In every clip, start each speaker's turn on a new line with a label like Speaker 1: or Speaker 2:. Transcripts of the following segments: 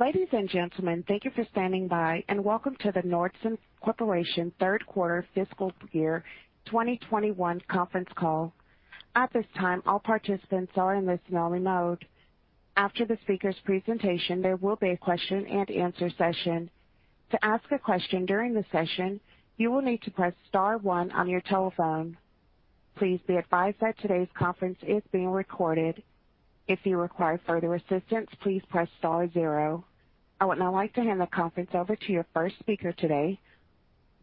Speaker 1: Ladies and gentlemen, thank you for standing by. Welcome to the Nordson Corporation 3rd quarter fiscal year 2021 conference call. At this time, all participants are in listen-only mode. After the speaker's presentation, there will be a question and answer session. To ask a question during the session, you will need to press star 1 on your telephone. Please be advised that today's conference is being recorded. If you require further assistance, please press star 0. I would now like to hand the conference over to your 1st speaker today,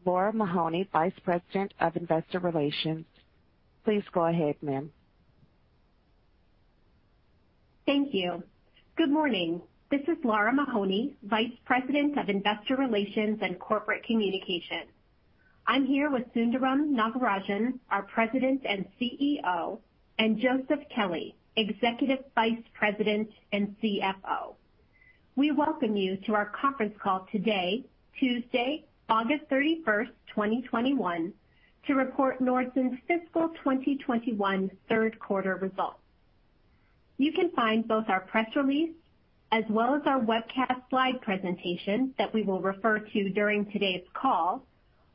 Speaker 1: Lara Mahoney, Vice President of Investor Relations. Please go ahead, ma'am.
Speaker 2: Thank you. Good morning. This is Lara Mahoney, Vice President of Investor Relations and Corporate Communications. I'm here with Sundaram Nagarajan, our President and CEO, and Joseph P. Kelley, Executive Vice President and CFO. We welcome you to our conference call today, Tuesday, August 31st, 2021, to report Nordson's fiscal 2021 third quarter results. You can find both our press release as well as our webcast slide presentation that we will refer to during today's call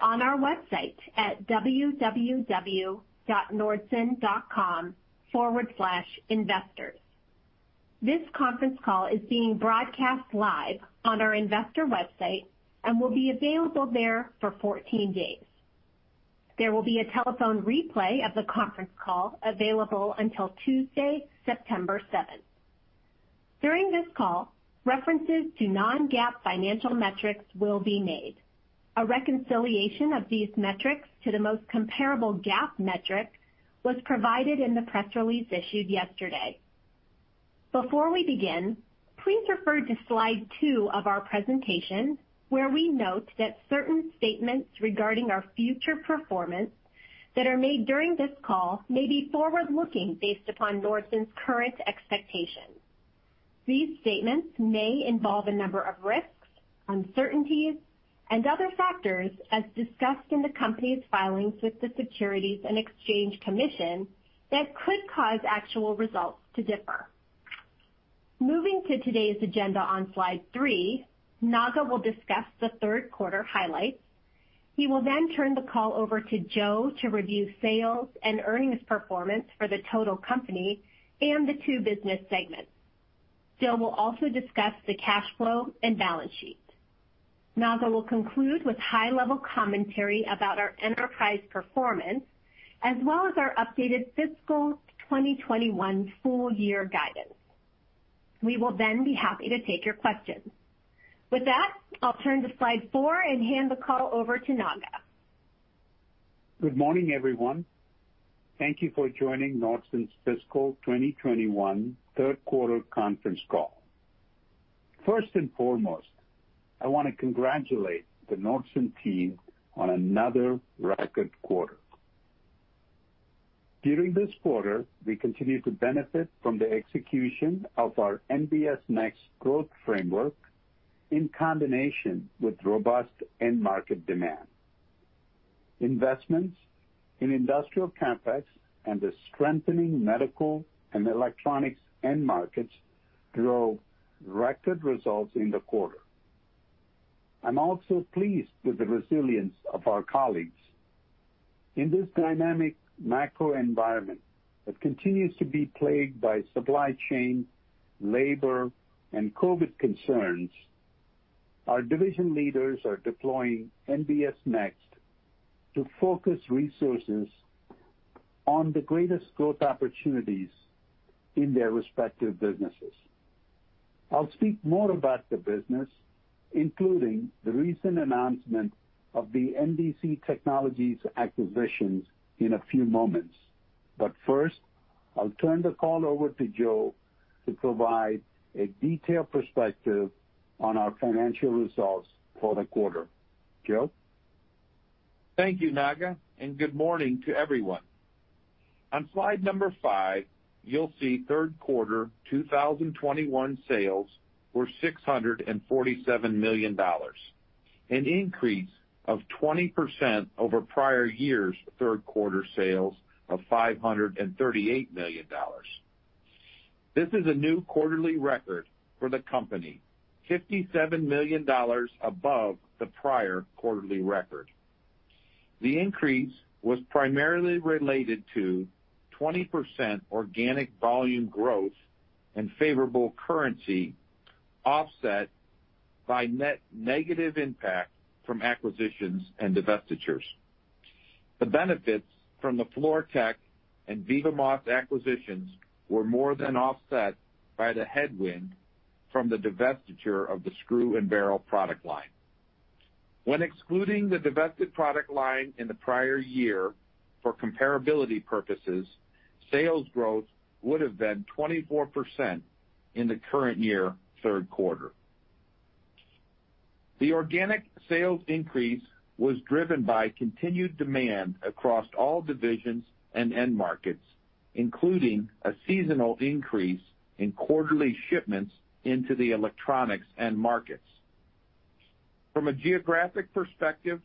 Speaker 2: on our website at www.nordson.com/investors. This conference call is being broadcast live on our investor website and will be available there for 14 days. There will be a telephone replay of the conference call available until Tuesday, September 7th. During this call, references to non-GAAP financial metrics will be made. A reconciliation of these metrics to the most comparable GAAP metric was provided in the press release issued yesterday. Before we begin, please refer to slide 2 of our presentation, where we note that certain statements regarding our future performance that are made during this call may be forward-looking based upon Nordson's current expectations. These statements may involve a number of risks, uncertainties, and other factors as discussed in the company's filings with the Securities and Exchange Commission that could cause actual results to differ. Moving to today's agenda on slide 3, Naga will discuss the third quarter highlights. He will then turn the call over to Joe to review sales and earnings performance for the total company and the two business segments. Joe will also discuss the cash flow and balance sheet. Naga will conclude with high-level commentary about our enterprise performance, as well as our updated fiscal 2021 full year guidance. We will then be happy to take your questions. With that, I'll turn to slide 4 and hand the call over to Naga.
Speaker 3: Good morning, everyone. Thank you for joining Nordson's fiscal 2021 third quarter conference call. First and foremost, I want to congratulate the Nordson team on another record quarter. During this quarter, we continued to benefit from the execution of our NBS Next Growth Framework in combination with robust end market demand. Investments in industrial CapEx and the strengthening medical and electronics end markets drove record results in the quarter. I'm also pleased with the resilience of our colleagues. In this dynamic macro environment that continues to be plagued by supply chain, labor, and COVID concerns, our division leaders are deploying NBS Next to focus resources on the greatest growth opportunities in their respective businesses. I'll speak more about the business, including the recent announcement of the NDC Technologies acquisitions, in a few moments. First, I'll turn the call over to Joe to provide a detailed perspective on our financial results for the quarter. Joe?
Speaker 4: Thank you, Naga, and good morning to everyone. On slide number 5, you'll see third quarter 2021 sales were $647 million, an increase of 20% over prior year's third quarter sales of $538 million. This is a new quarterly record for the company, $57 million above the prior quarterly record. The increase was primarily related to 20% organic volume growth and favorable currency offset by net negative impact from acquisitions and divestitures. The benefits from the Fluortek and Vivamos acquisitions were more than offset by the headwind from the divestiture of the screws and barrel product line. When excluding the divested product line in the prior year for comparability purposes, sales growth would have been 24% in the current year, third quarter. The organic sales increase was driven by continued demand across all divisions and end markets, including a seasonal increase in quarterly shipments into the electronics end markets. From a geographic perspective,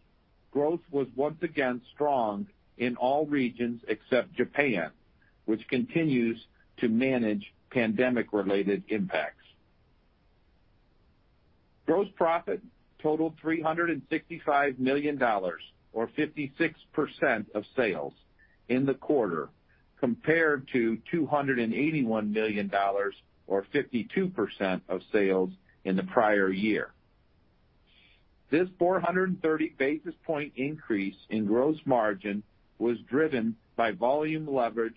Speaker 4: growth was once again strong in all regions except Japan, which continues to manage pandemic-related impacts. Gross profit totaled $365 million, or 56% of sales in the quarter, compared to $281 million, or 52% of sales in the prior year. This 430 basis point increase in gross margin was driven by volume leverage,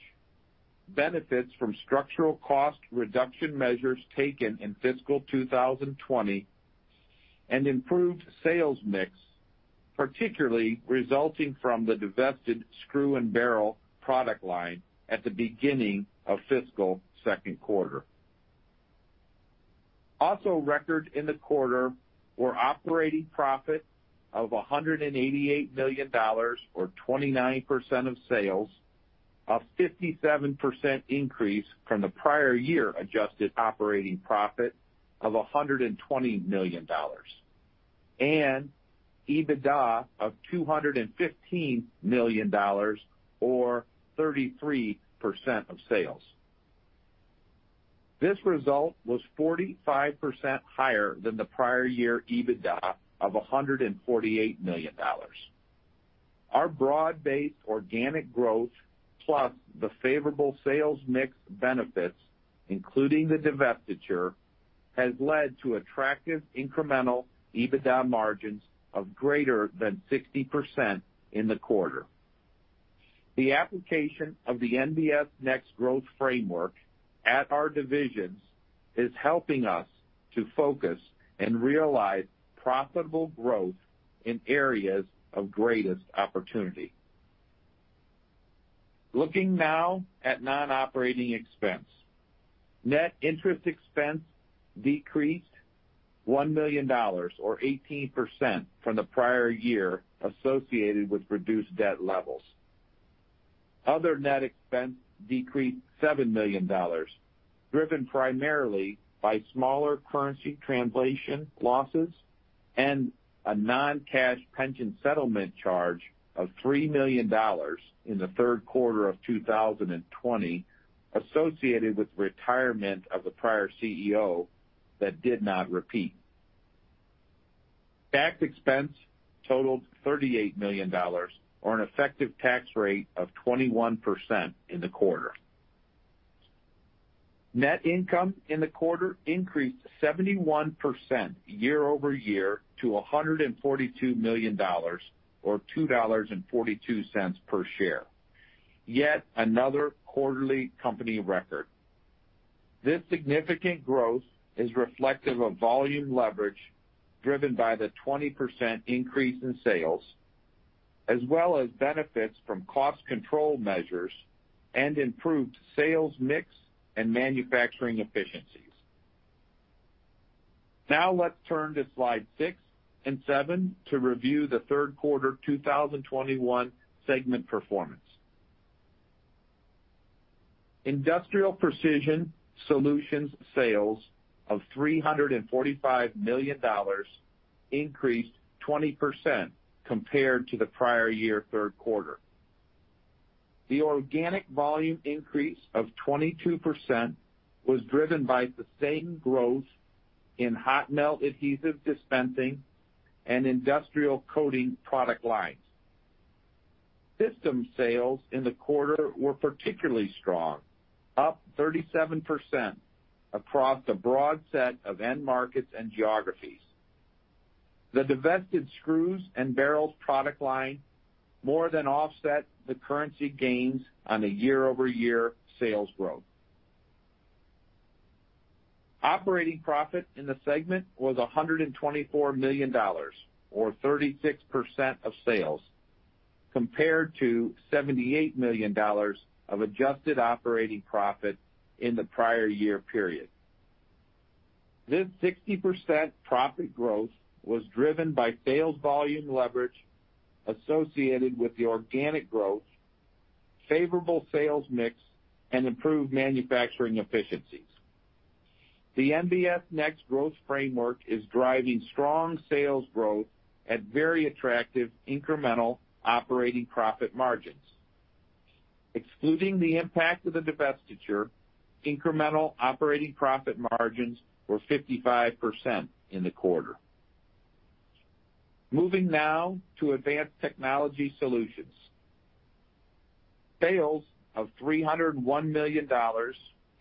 Speaker 4: benefits from structural cost reduction measures taken in fiscal 2020, and improved sales mix, particularly resulting from the divested screws and barrel product line at the beginning of fiscal second quarter. Also, record in the quarter were operating profit of $188 million, or 29% of sales, a 57% increase from the prior year adjusted operating profit of $120 million, and EBITDA of $215 million, or 33% of sales. This result was 45% higher than the prior year EBITDA of $148 million. Our broad-based organic growth, plus the favorable sales mix benefits, including the divestiture, has led to attractive incremental EBITDA margins of greater than 60% in the quarter. The application of the NBS Next Growth Framework at our divisions is helping us to focus and realize profitable growth in areas of greatest opportunity. Looking now at non-operating expense. Net interest expense decreased $1 million, or 18%, from the prior year associated with reduced debt levels. Other net expense decreased $7 million, driven primarily by smaller currency translation losses and a non-cash pension settlement charge of $3 million in the third quarter of 2020 associated with retirement of the prior CEO that did not repeat. Tax expense totaled $38 million, or an effective tax rate of 21% in the quarter. Net income in the quarter increased 71% year-over-year to $142 million, or $2.42 per share. Yet another quarterly company record. This significant growth is reflective of volume leverage driven by the 20% increase in sales, as well as benefits from cost control measures and improved sales mix and manufacturing efficiencies. Now let's turn to slide 6 and 7 to review the third quarter 2021 segment performance. Industrial Precision Solutions sales of $345 million increased 20% compared to the prior year third quarter. The organic volume increase of 22% was driven by sustained growth in hot melt adhesive dispensing and industrial coating product lines. System sales in the quarter were particularly strong, up 37% across a broad set of end markets and geographies. The divested screws and barrel product line more than offset the currency gains on a year-over-year sales growth. Operating profit in the segment was $124 million, or 36% of sales, compared to $78 million of adjusted operating profit in the prior year period. This 60% profit growth was driven by sales volume leverage associated with the organic growth, favorable sales mix, and improved manufacturing efficiencies. The NBS Next Growth Framework is driving strong sales growth at very attractive incremental operating profit margins. Excluding the impact of the divestiture, incremental operating profit margins were 55% in the quarter. Moving now to Advanced Technology Solutions. Sales of $301 million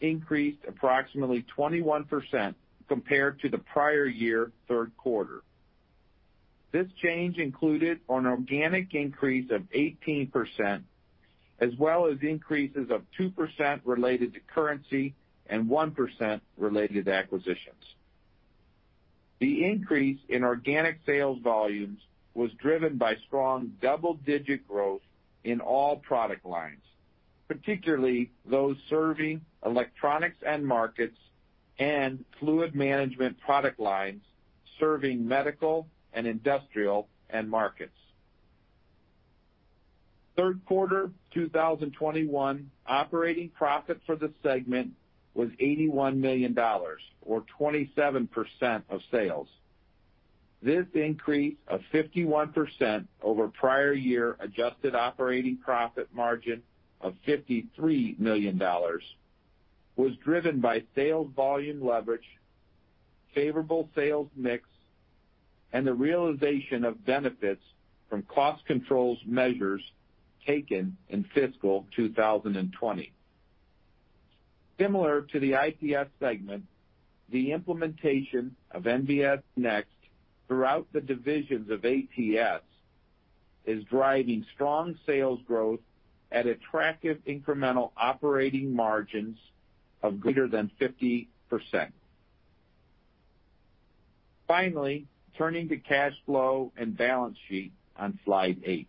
Speaker 4: increased approximately 21% compared to the prior-year third quarter. This change included an organic increase of 18%, as well as increases of 2% related to currency and 1% related to acquisitions. The increase in organic sales volumes was driven by strong double-digit growth in all product lines, particularly those serving electronics end markets and fluid management product lines serving medical and industrial end markets. Third quarter 2021 operating profit for the segment was $81 million, or 27% of sales. This increase of 51% over prior-year adjusted operating profit margin of $53 million was driven by sales volume leverage, favorable sales mix, and the realization of benefits from cost controls measures taken in fiscal 2020. Similar to the IPS segment, the implementation of NBS Next throughout the divisions of ATS is driving strong sales growth at attractive incremental operating margins of greater than 50%. Finally, turning to cash flow and balance sheet on slide 8.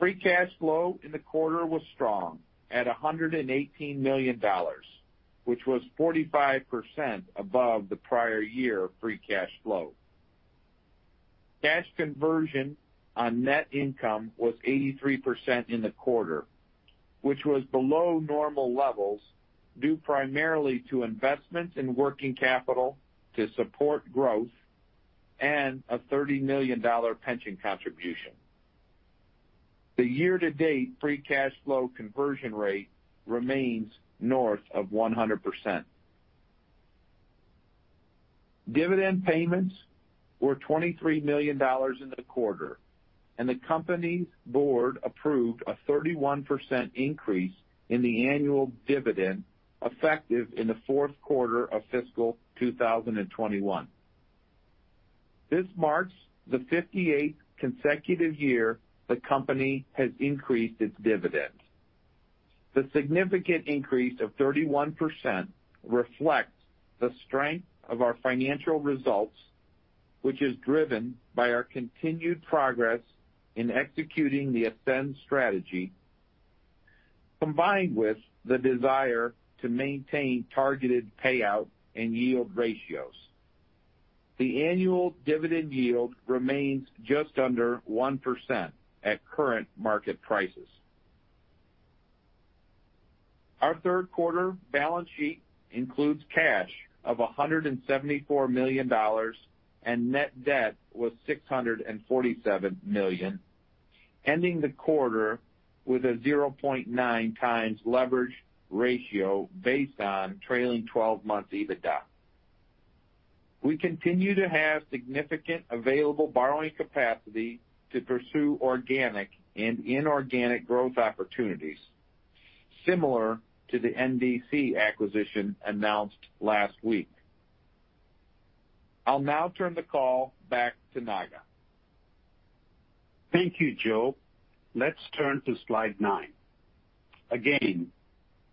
Speaker 4: Free cash flow in the quarter was strong at $118 million, which was 45% above the prior year free cash flow. Cash conversion on net income was 83% in the quarter, which was below normal levels, due primarily to investments in working capital to support growth and a $30 million pension contribution. The year-to-date free cash flow conversion rate remains north of 100%. Dividend payments were $23 million in the quarter, and the company's board approved a 31% increase in the annual dividend, effective in the fourth quarter of fiscal 2021. This marks the 58th consecutive year the company has increased its dividend. The significant increase of 31% reflects the strength of our financial results, which is driven by our continued progress in executing the ASCEND strategy, combined with the desire to maintain targeted payout and yield ratios. The annual dividend yield remains just under 1% at current market prices. Our third quarter balance sheet includes cash of $174 million, and net debt was $647 million, ending the quarter with a 0.9 times leverage ratio based on trailing 12 months EBITDA. We continue to have significant available borrowing capacity to pursue organic and inorganic growth opportunities, similar to the NDC acquisition announced last week. I'll now turn the call back to Naga.
Speaker 3: Thank you, Joe. Let's turn to slide 9. Again,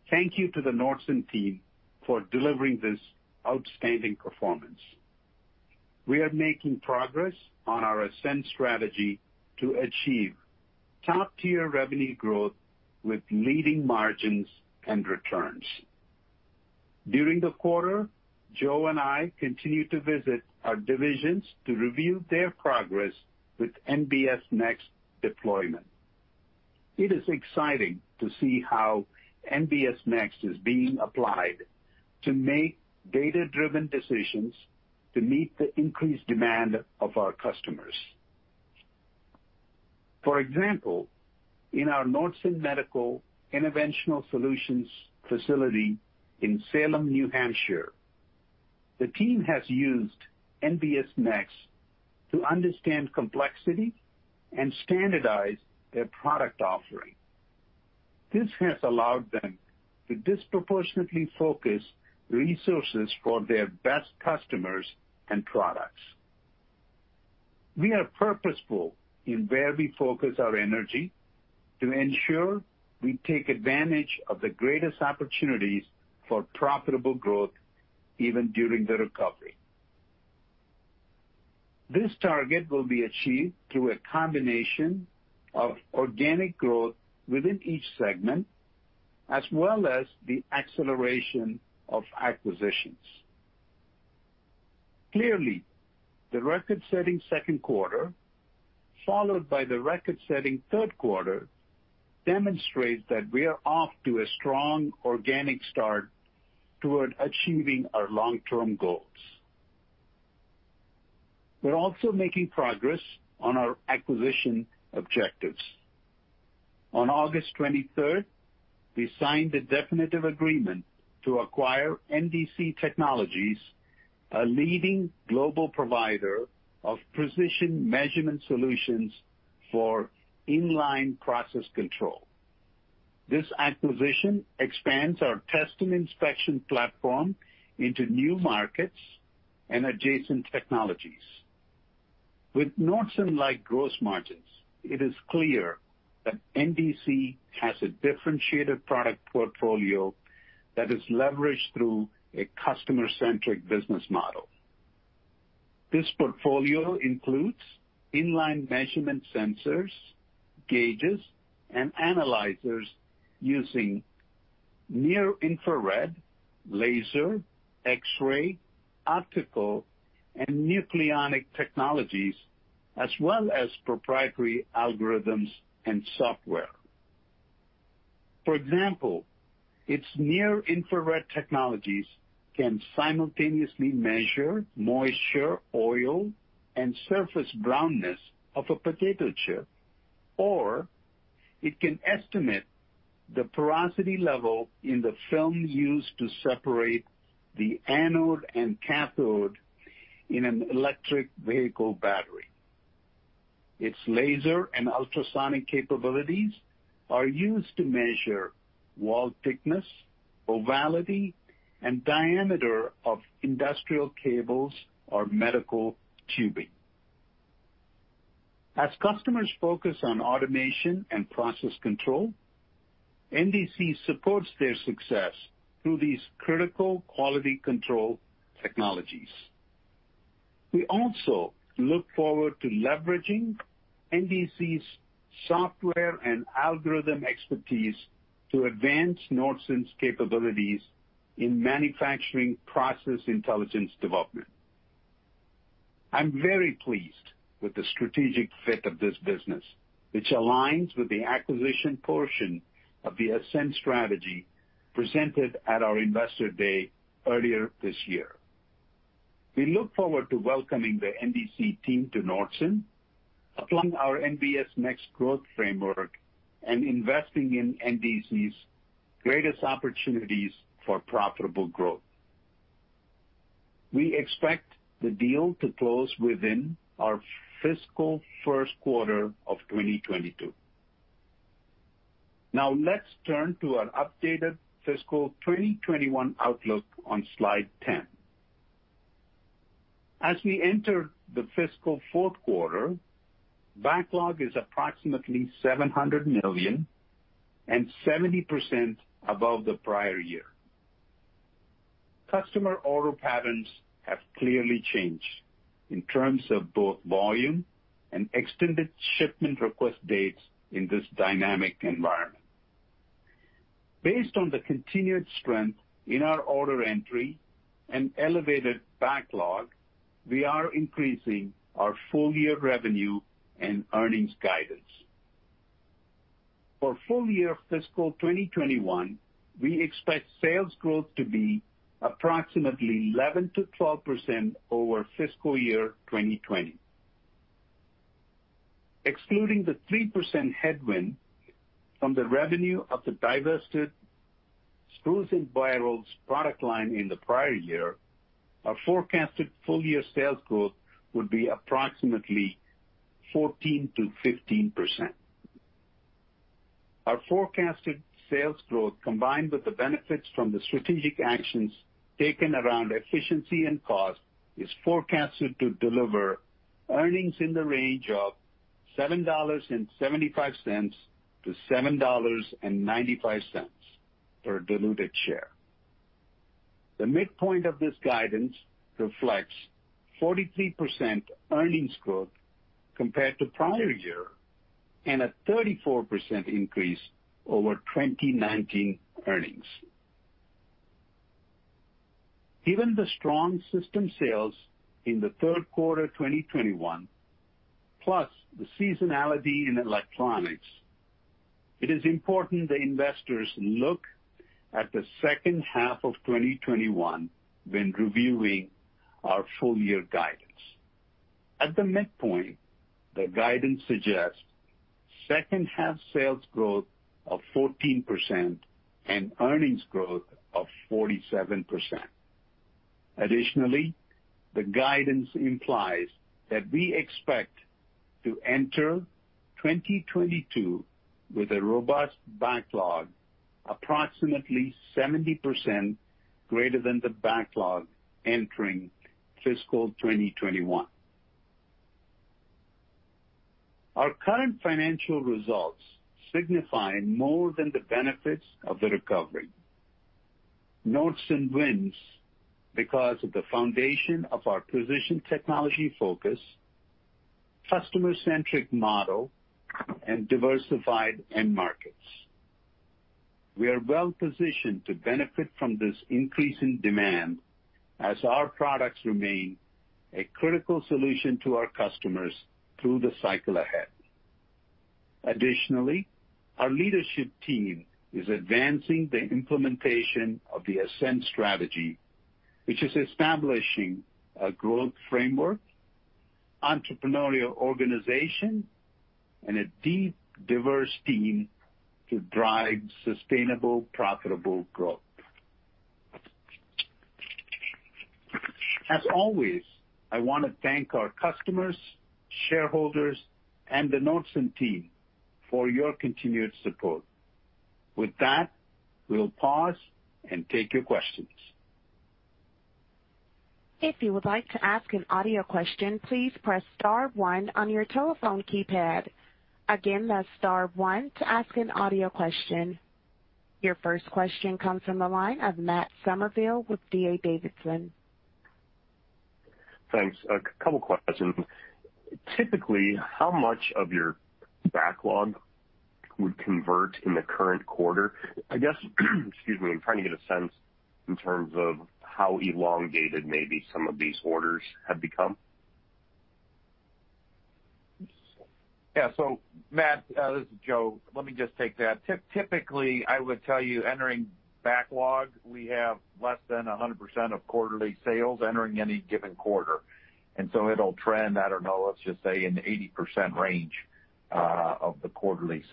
Speaker 3: thank you to the Nordson team for delivering this outstanding performance. We are making progress on our ASCEND strategy to achieve top-tier revenue growth with leading margins and returns. During the quarter, Joe and I continued to visit our divisions to review their progress with NBS Next deployment. It is exciting to see how NBS Next is being applied to make data-driven decisions to meet the increased demand of our customers. For example, in our Nordson Medical Interventional Solutions facility in Salem, New Hampshire, the team has used NBS Next to understand complexity and standardize their product offering. This has allowed them to disproportionately focus resources for their best customers and products. We are purposeful in where we focus our energy to ensure we take advantage of the greatest opportunities for profitable growth, even during the recovery. This target will be achieved through a combination of organic growth within each segment, as well as the acceleration of acquisitions. Clearly, the record-setting second quarter, followed by the record-setting third quarter, demonstrates that we are off to a strong organic start toward achieving our long-term goals. We're also making progress on our acquisition objectives. On August 23rd, we signed a definitive agreement to acquire NDC Technologies, a leading global provider of precision measurement solutions for in-line process control. This acquisition expands our test and inspection platform into new markets and adjacent technologies. With Nordson-like gross margins, it is clear that NDC has a differentiated product portfolio that is leveraged through a customer-centric business model. This portfolio includes in-line measurement sensors, gauges, and analyzers using near-infrared, laser, X-ray, optical, and nucleonic technologies, as well as proprietary algorithms and software. For example, its near-infrared technologies can simultaneously measure moisture, oil, and surface brownness of a potato chip, or it can estimate the porosity level in the film used to separate the anode and cathode in an electric vehicle battery. Its laser and ultrasonic capabilities are used to measure wall thickness, ovality, and diameter of industrial cables or medical tubing. As customers focus on automation and process control, NDC supports their success through these critical quality control technologies. We also look forward to leveraging NDC's software and algorithm expertise to advance Nordson's capabilities in manufacturing process intelligence development. I'm very pleased with the strategic fit of this business, which aligns with the acquisition portion of the ASCEND strategy presented at our investor day earlier this year. We look forward to welcoming the NDC team to Nordson, applying our NBS Next Growth Framework, and investing in NDC's greatest opportunities for profitable growth. We expect the deal to close within our fiscal first quarter of 2022. Let's turn to our updated fiscal 2021 outlook on slide 10. As we enter the fiscal fourth quarter, backlog is approximately $700 million and 70% above the prior year. Customer order patterns have clearly changed in terms of both volume and extended shipment request dates in this dynamic environment. Based on the continued strength in our order entry and elevated backlog, we are increasing our full-year revenue and earnings guidance. For full-year fiscal 2021, we expect sales growth to be approximately 11%-12% over fiscal year 2020. Excluding the 3% headwind from the revenue of the divested screws and barrel product line in the prior year, our forecasted full-year sales growth would be approximately 14%-15%. Our forecasted sales growth, combined with the benefits from the strategic actions taken around efficiency and cost, is forecasted to deliver earnings in the range of $7.75-$7.95 per diluted share. The midpoint of this guidance reflects 43% earnings growth compared to prior year and a 34% increase over 2019 earnings. Given the strong system sales in Q3 2021, plus the seasonality in electronics, it is important that investors look at the second half of 2021 when reviewing our full-year guidance. At the midpoint, the guidance suggests second half sales growth of 14% and earnings growth of 47%. Additionally, the guidance implies that we expect to enter 2022 with a robust backlog, approximately 70% greater than the backlog entering fiscal 2021. Our current financial results signify more than the benefits of the recovery. Nordson wins because of the foundation of our precision technology focus, customer-centric model, and diversified end markets. We are well-positioned to benefit from this increase in demand as our products remain a critical solution to our customers through the cycle ahead. Additionally, our leadership team is advancing the implementation of the ASCEND strategy, which is establishing a growth framework, entrepreneurial organization, and a deep, diverse team to drive sustainable, profitable growth. As always, I want to thank our customers, shareholders, and the Nordson team for your continued support. With that, we'll pause and take your questions.
Speaker 1: If you would like to ask an audio question, please press star one on your telephone keypad. Again, that's star one to ask an audio question. Your first question comes from the line of Matt Summerville with D.A. Davidson.
Speaker 5: Thanks. A couple questions. Typically, how much of your backlog would convert in the current quarter? I guess, excuse me, I'm trying to get a sense in terms of how elongated maybe some of these orders have become.
Speaker 4: Matt, this is Joe. Let me just take that. Typically, I would tell you entering backlog, we have less than 100% of quarterly sales entering any given quarter, it'll trend, I don't know, let's just say in 80% range of the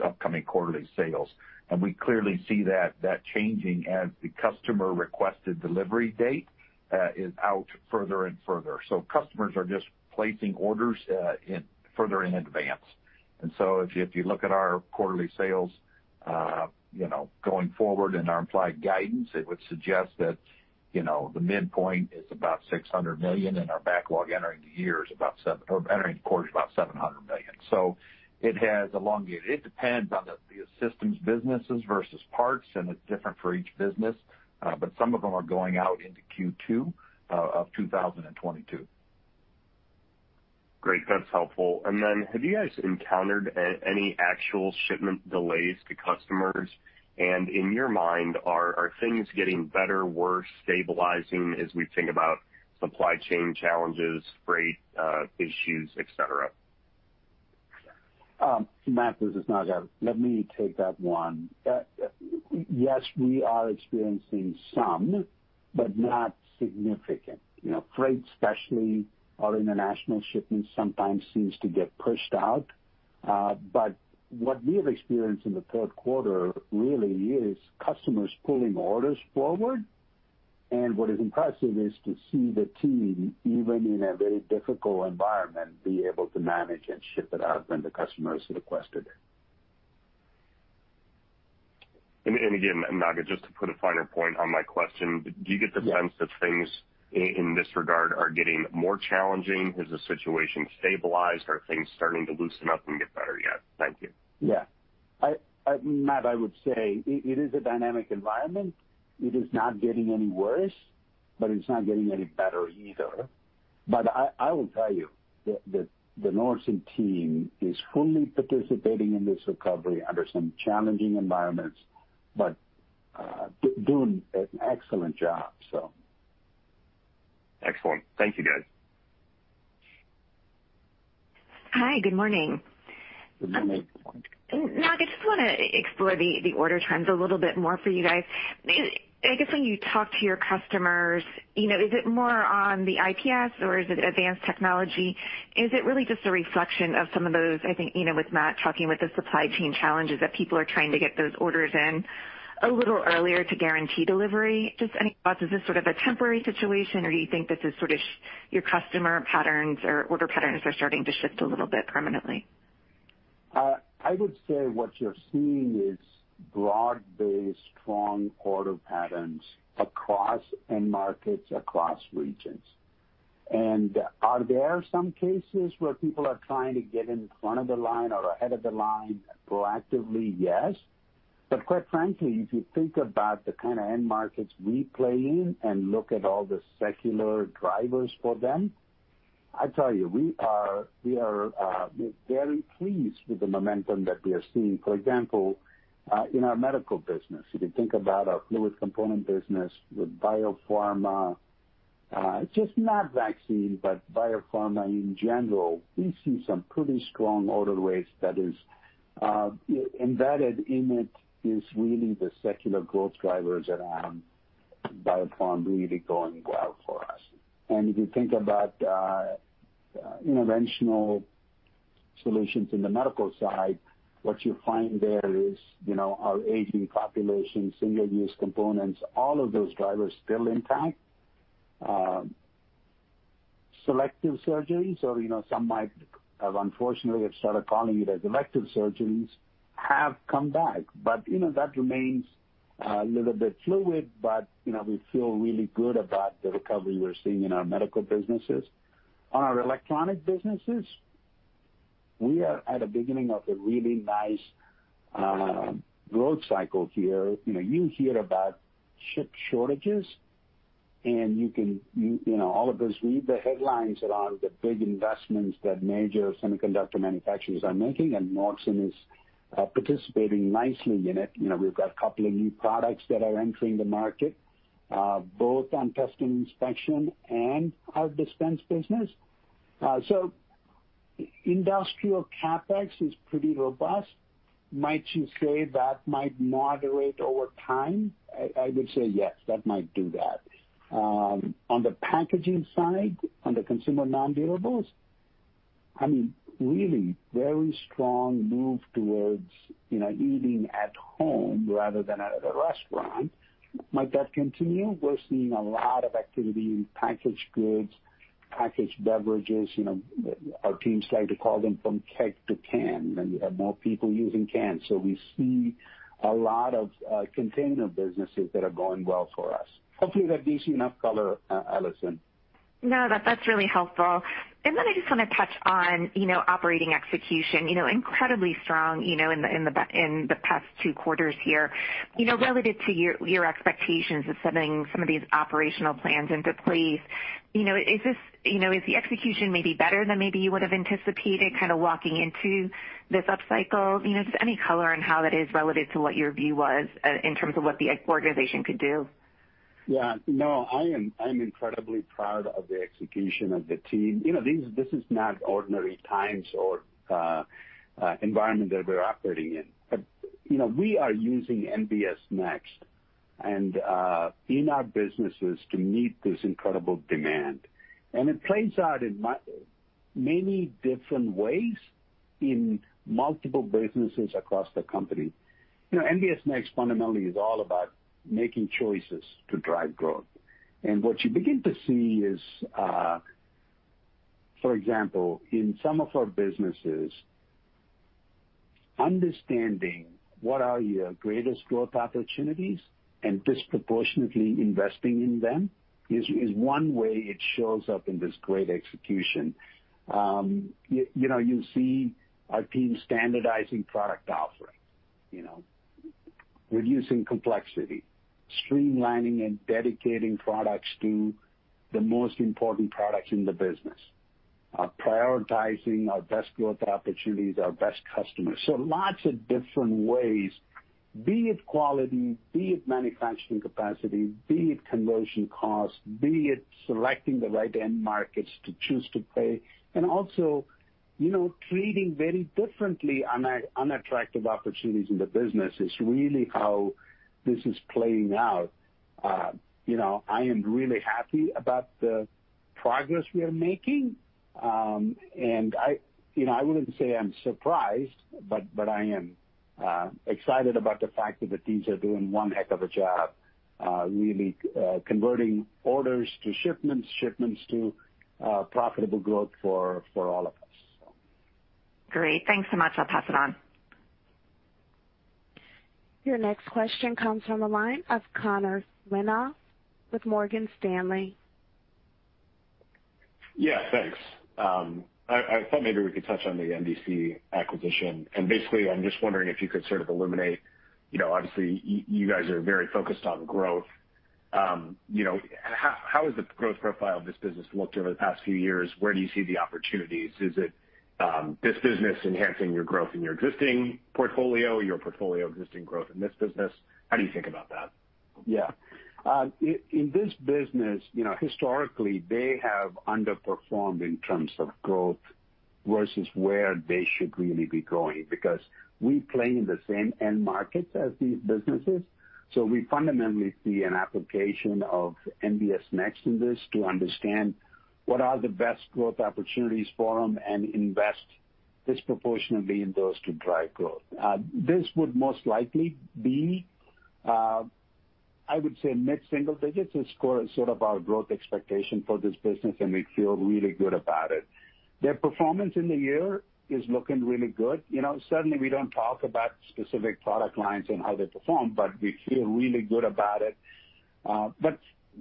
Speaker 4: upcoming quarterly sales. We clearly see that changing as the customer requested delivery date is out further and further. Customers are just placing orders further in advance. If you look at our quarterly sales going forward and our implied guidance, it would suggest that the midpoint is about $600 million, and our backlog entering the quarter is about $700 million. It has elongated. It depends on the systems businesses versus parts, and it's different for each business. Some of them are going out into Q2 of 2022.
Speaker 5: Great. That's helpful. Have you guys encountered any actual shipment delays to customers? In your mind, are things getting better, worse, stabilizing as we think about supply chain challenges, freight issues, et cetera?
Speaker 3: Matt, this is Naga. Let me take that one. Yes, we are experiencing some, but not significant. Freight especially, our international shipments sometimes seems to get pushed out. What we have experienced in the third quarter really is customers pulling orders forward. What is impressive is to see the team, even in a very difficult environment, be able to manage and ship it out when the customers requested it.
Speaker 5: Again, Naga, just to put a finer point on my question, do you get the sense that things in this regard are getting more challenging? Has the situation stabilized? Are things starting to loosen up and get better yet? Thank you.
Speaker 3: Yeah. Matt, I would say it is a dynamic environment. It is not getting any worse, but it's not getting any better either. I will tell you that the Nordson team is fully participating in this recovery under some challenging environments, but doing an excellent job.
Speaker 5: Excellent. Thank you, guys.
Speaker 6: Hi. Good morning.
Speaker 3: Good morning.
Speaker 6: Naga, I just want to explore the order trends a little bit more for you guys. I guess when you talk to your customers, is it more on the IPS or is it Advanced Technology? Is it really just a reflection of some of those, I think, with Matt talking with the supply chain challenges, that people are trying to get those orders in a little earlier to guarantee delivery? Just any thoughts, is this sort of a temporary situation, or do you think this is sort of your customer patterns or order patterns are starting to shift a little bit permanently?
Speaker 3: I would say what you're seeing is broad-based strong order patterns across end markets, across regions. Are there some cases where people are trying to get in front of the line or ahead of the line proactively? Yes. Quite frankly, if you think about the kind of end markets we play in and look at all the secular drivers for them, I tell you, we are very pleased with the momentum that we are seeing. For example, in our medical business. If you think about our fluid component business with biopharma, just not vaccine, but biopharma in general, we see some pretty strong order rates that is embedded in it is really the secular growth drivers around biopharma really going well for us. If you think about Interventional Solutions in the medical side, what you find there is our aging population, single-use components, all of those drivers still intact. Selective surgeries, or some might have unfortunately started calling it elective surgeries, have come back. That remains a little bit fluid, but we feel really good about the recovery we're seeing in our medical businesses. On our electronic businesses, we are at the beginning of a really nice growth cycle here. You hear about chip shortages, and all of us read the headlines around the big investments that major semiconductor manufacturers are making, and Nordson is participating nicely in it. We've got a couple of new products that are entering the market, both on test and inspection and our dispense business. Industrial CapEx is pretty robust. Might you say that might moderate over time? I would say yes, that might do that. On the packaging side, on the consumer non-durables, really very strong move towards eating at home rather than at a restaurant. Might that continue? We're seeing a lot of activity in packaged goods, packaged beverages. Our teams like to call them from keg to can. We have more people using cans. We see a lot of container businesses that are going well for us. Hopefully, that gives you enough color, Allison.
Speaker 6: No, that's really helpful. I just want to touch on operating execution. Incredibly strong in the past 2 quarters here. Relative to your expectations of setting some of these operational plans into place, is the execution maybe better than maybe you would've anticipated kind of walking into this upcycle? Just any color on how that is relative to what your view was, in terms of what the organization could do.
Speaker 3: Yeah. No, I am incredibly proud of the execution of the team. This is not ordinary times or environment that we're operating in. We are using NBS Next in our businesses to meet this incredible demand. It plays out in many different ways in multiple businesses across the company. NBS Next fundamentally is all about making choices to drive growth. What you begin to see is, for example, in some of our businesses, understanding what are your greatest growth opportunities and disproportionately investing in them is one way it shows up in this great execution. You see our team standardizing product offerings, reducing complexity, streamlining, and dedicating products to the most important products in the business. Are prioritizing our best growth opportunities, our best customers. Lots of different ways, be it quality, be it manufacturing capacity, be it conversion costs, be it selecting the right end markets to choose to play, and also treating very differently unattractive opportunities in the business is really how this is playing out. I am really happy about the progress we are making. I wouldn't say I'm surprised, but I am excited about the fact that the teams are doing one heck of a job, really converting orders to shipments to profitable growth for all of us.
Speaker 6: Great. Thanks so much. I'll pass it on.
Speaker 1: Your next question comes from the line of Connor Lynagh with Morgan Stanley.
Speaker 7: Yeah, thanks. I thought maybe we could touch on the NDC acquisition. Basically, I'm just wondering if you could sort of illuminate, obviously you guys are very focused on growth. How has the growth profile of this business looked over the past few years? Where do you see the opportunities? Is it this business enhancing your growth in your existing portfolio, your portfolio existing growth in this business? How do you think about that?
Speaker 3: Yeah. In this business, historically they have underperformed in terms of growth versus where they should really be growing, because we play in the same end markets as these businesses. We fundamentally see an application of NBS Next in this to understand what are the best growth opportunities for them and invest disproportionately in those to drive growth. This would most likely be, I would say mid-single digits is sort of our growth expectation for this business, and we feel really good about it. Their performance in the year is looking really good. Certainly we don't talk about specific product lines and how they perform, but we feel really good about it.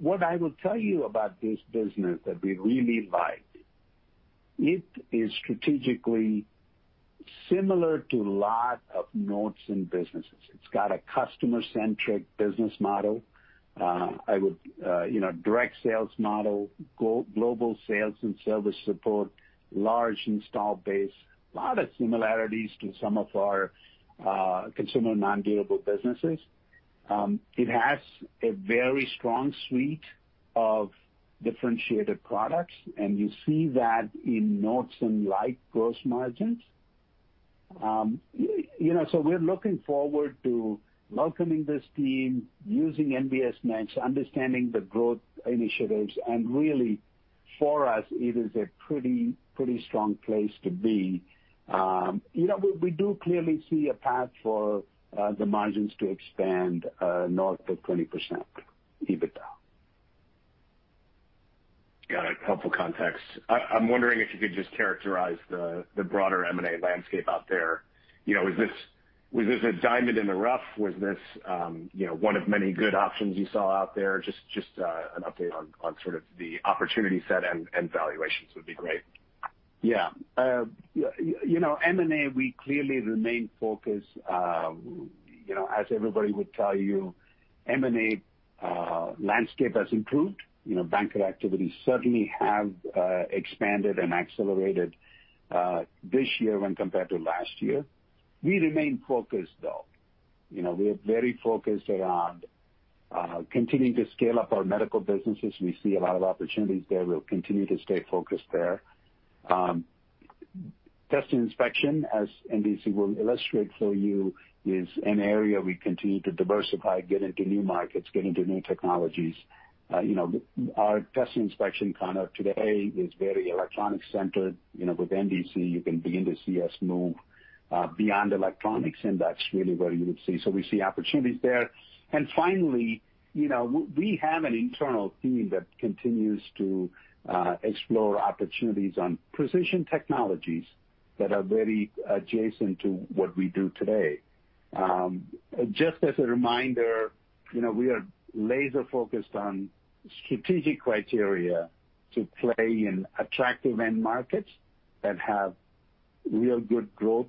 Speaker 3: What I will tell you about this business that we really like, it is strategically similar to lot of Nordson businesses. It's got a customer-centric business model. Direct sales model, global sales and service support, large install base, lot of similarities to some of our consumer non-durable businesses. It has a very strong suite of differentiated products, and you see that in Nordson-like gross margins. We're looking forward to welcoming this team, using NBS Next, understanding the growth initiatives, and really for us, it is a pretty strong place to be. We do clearly see a path for the margins to expand north of 20% EBITDA.
Speaker 7: Got it. Helpful context. I'm wondering if you could just characterize the broader M&A landscape out there. Was this a diamond in the rough? Was this one of many good options you saw out there? Just an update on sort of the opportunity set and valuations would be great.
Speaker 3: Yeah. M&A, we clearly remain focused. As everybody would tell you, M&A landscape has improved. Banker activities certainly have expanded and accelerated this year when compared to last year. We remain focused, though. We are very focused around continuing to scale up our medical businesses. We see a lot of opportunities there. We'll continue to stay focused there. Test and inspection, as NDC will illustrate for you, is an area we continue to diversify, get into new markets, get into new technologies. Our test and inspection kind of today is very electronic-centered. With NDC, you can begin to see us move beyond electronics, and that's really where you would see. We see opportunities there. Finally, we have an internal team that continues to explore opportunities on precision technologies that are very adjacent to what we do today. Just as a reminder, we are laser focused on strategic criteria to play in attractive end markets that have real good growth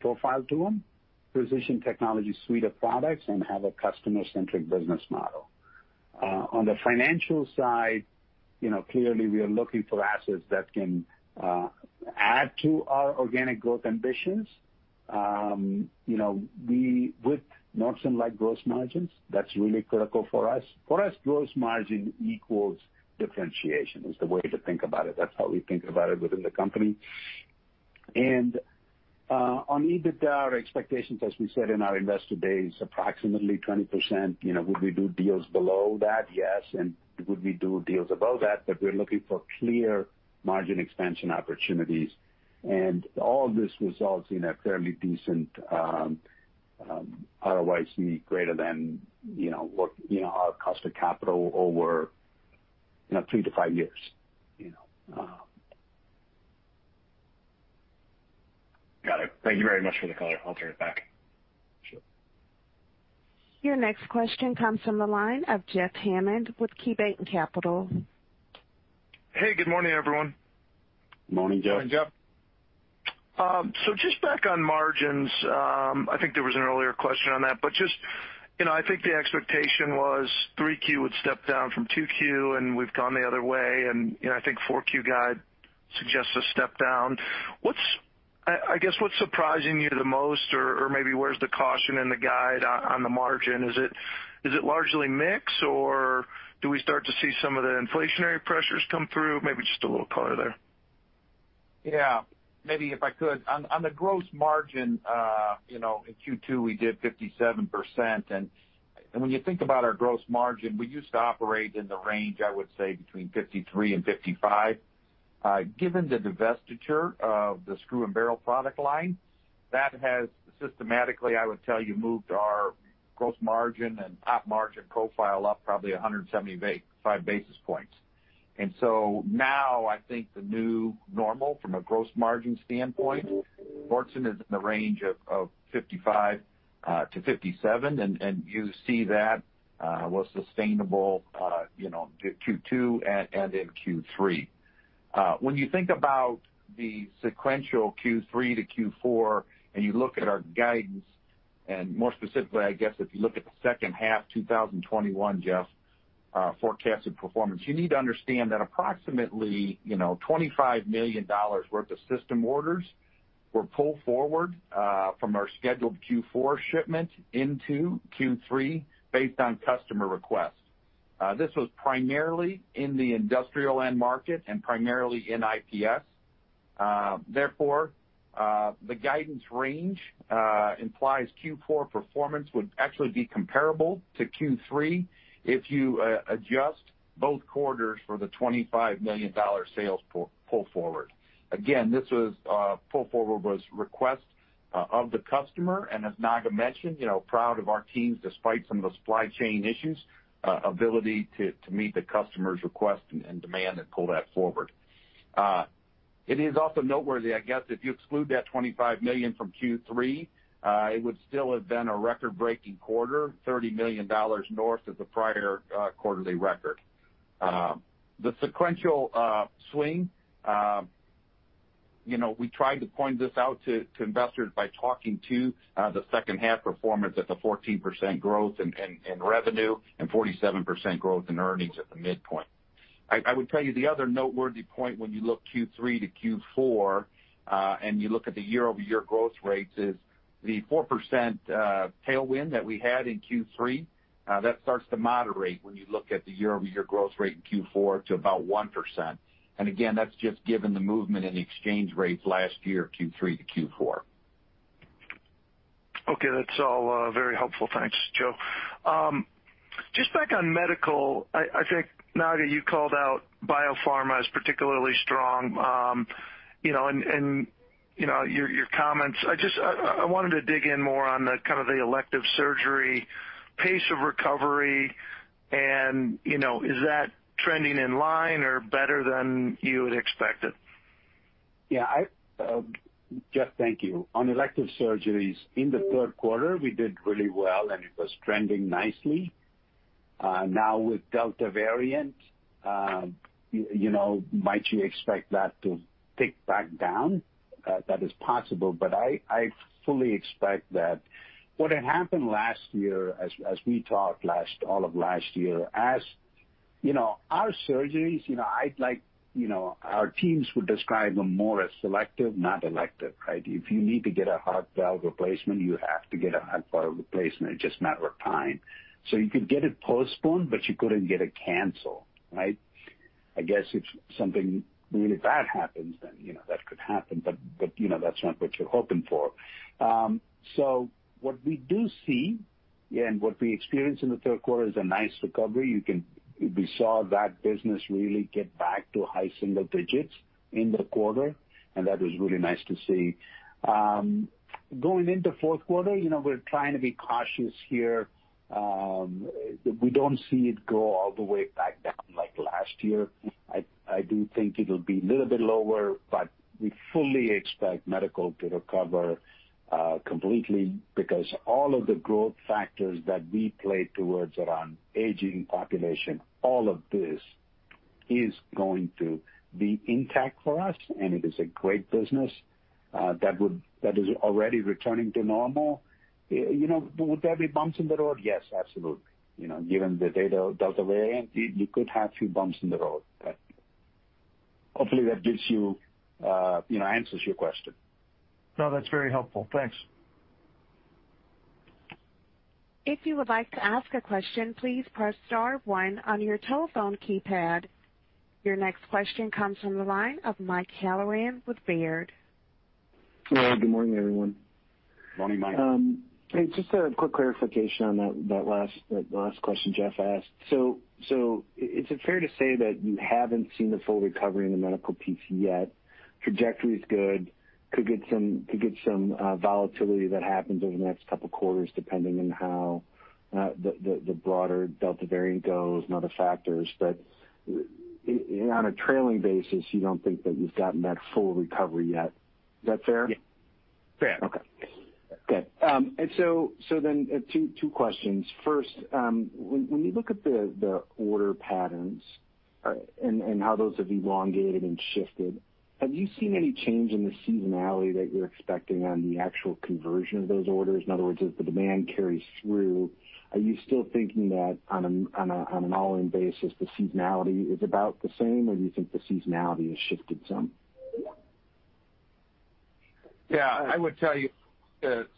Speaker 3: profile to them, position technology suite of products, and have a customer-centric business model. On the financial side, clearly we are looking for assets that can add to our organic growth ambitions. With Nordson-like gross margins, that's really critical for us. For us, gross margin equals differentiation, is the way to think about it. That's how we think about it within the company. On EBITDA, our expectations, as we said in our investor day, is approximately 20%. Would we do deals below that? Yes. Would we do deals above that? We're looking for clear margin expansion opportunities. All this results in a fairly decent ROIC greater than our cost of capital over three to five years.
Speaker 7: Got it. Thank you very much for the color. I'll turn it back.
Speaker 4: Sure.
Speaker 1: Your next question comes from the line of Jeff Hammond with KeyBanc Capital.
Speaker 8: Hey, good morning, everyone.
Speaker 4: Morning, Jeff.
Speaker 3: Morning, Jeff.
Speaker 8: Just back on margins. I think there was an earlier question on that, but just I think the expectation was 3Q would step down from 2Q, and we've gone the other way. I think 4Q guide suggests a step down. I guess, what's surprising you the most or maybe where's the caution in the guide on the margin? Is it largely mix, or do we start to see some of the inflationary pressures come through? Maybe just a little color there.
Speaker 4: Yeah. Maybe if I could. On the gross margin, in Q2, we did 57%. When you think about our gross margin, we used to operate in the range, I would say, between 53% and 55%. Given the divestiture of the screws and barrel product line, that has systematically, I would tell you, moved our gross margin and top margin profile up probably 175 basis points. Now I think the new normal from a gross margin standpoint, Nordson is in the range of 55%-57%, and you see that was sustainable Q2 and in Q3. When you think about the sequential Q3 to Q4, and you look at our guidance, and more specifically, I guess, if you look at the second half 2021, Jeff, forecasted performance. You need to understand that approximately $25 million worth of system orders were pulled forward from our scheduled Q4 shipment into Q3 based on customer requests. This was primarily in the industrial end market and primarily in IPS. Therefore, the guidance range implies Q4 performance would actually be comparable to Q3 if you adjust both quarters for the $25 million sales pull forward. Again, this pull forward was request of the customer, and as Naga mentioned, proud of our teams, despite some of the supply chain issues, ability to meet the customer's request and demand and pull that forward. It is also noteworthy, I guess, if you exclude that $25 million from Q3, it would still have been a record-breaking quarter, $30 million north of the prior quarterly record. The sequential swing, we tried to point this out to investors by talking to the second half performance at the 14% growth in revenue and 47% growth in earnings at the midpoint. I would tell you the other noteworthy point when you look Q3 to Q4, and you look at the year-over-year growth rates is the 4% tailwind that we had in Q3. That starts to moderate when you look at the year-over-year growth rate in Q4 to about 1%. Again, that's just given the movement in the exchange rates last year of Q3 to Q4.
Speaker 8: Okay. That's all very helpful. Thanks, Joe. Just back on medical. I think, Naga, you called out biopharma as particularly strong in your comments. I wanted to dig in more on the kind of the elective surgery pace of recovery. Is that trending in line or better than you had expected?
Speaker 3: Yeah. Jeff, thank you. On elective surgeries, in the third quarter, we did really well, and it was trending nicely. With Delta variant, might you expect that to tick back down? That is possible, but I fully expect that what had happened last year, as we talked all of last year, as our surgeries, our teams would describe them more as selective, not elective. Right? If you need to get a heart valve replacement, you have to get a heart valve replacement. It's just a matter of time. You could get it postponed, but you couldn't get it canceled. Right? I guess if something really bad happens, that could happen, but that's not what you're hoping for. What we do see and what we experienced in the third quarter is a nice recovery. We saw that business really get back to high single digits in the quarter. That was really nice to see. Going into fourth quarter, we're trying to be cautious here. We don't see it go all the way back down like last year. I do think it'll be a little bit lower. We fully expect medical to recover completely because all of the growth factors that we play towards around aging population. Is going to be intact for us, and it is a great business that is already returning to normal. Would there be bumps in the road? Yes, absolutely. Given the Delta variant, you could have a few bumps in the road, but hopefully that answers your question.
Speaker 8: No, that's very helpful. Thanks.
Speaker 1: Your next question comes from the line of Michael Halloran with Baird.
Speaker 9: Hello. Good morning, everyone.
Speaker 4: Morning, Mike.
Speaker 9: Just a quick clarification on that last question Jeff asked. Is it fair to say that you haven't seen the full recovery in the medical piece yet? Trajectory's good. Could get some volatility that happens over the next couple of quarters, depending on how the broader Delta variant goes and other factors. On a trailing basis, you don't think that you've gotten that full recovery yet. Is that fair?
Speaker 4: Yeah. Fair.
Speaker 9: Okay. Good. Two questions. First, when you look at the order patterns and how those have elongated and shifted, have you seen any change in the seasonality that you're expecting on the actual conversion of those orders? In other words, as the demand carries through, are you still thinking that on an all-in basis, the seasonality is about the same, or do you think the seasonality has shifted some?
Speaker 4: Yeah. I would tell you,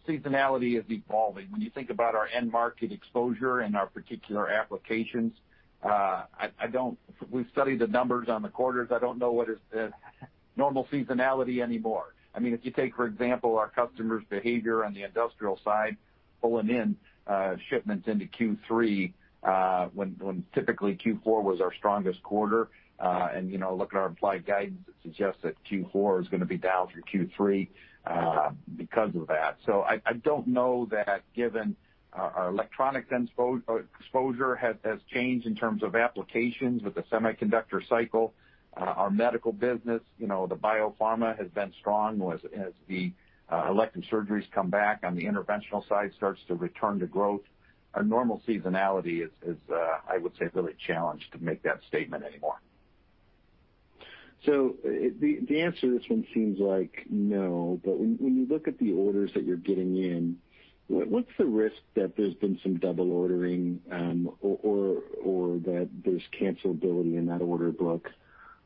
Speaker 4: seasonality is evolving. When you think about our end market exposure and our particular applications. We've studied the numbers on the quarters. I don't know what is normal seasonality anymore. If you take, for example, our customers' behavior on the industrial side, pulling in shipments into Q3, when typically Q4 was our strongest quarter. Looking at our implied guidance, it suggests that Q4 is going to be down from Q3.
Speaker 9: Okay
Speaker 4: Because of that, I don't know that given our electronics exposure has changed in terms of applications with the semiconductor cycle. Our medical business, the biopharma has been strong as the elective surgeries come back on the interventional side, starts to return to growth. A normal seasonality is, I would say, really challenged to make that statement anymore.
Speaker 9: The answer to this one seems like no, but when you look at the orders that you're getting in, what's the risk that there's been some double ordering, or that there's cancelability in that order book